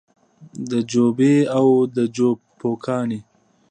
د جو بیمه او د جو پوکاڼې